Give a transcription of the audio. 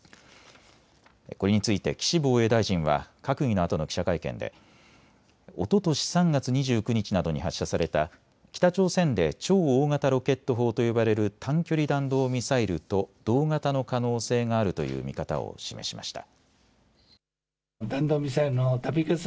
これについて岸防衛大臣は閣議のあとの記者会見でおととし３月２９日などに発射された北朝鮮で超大型ロケット砲と呼ばれる短距離弾道ミサイルと同型の可能性があるという見方を示しました。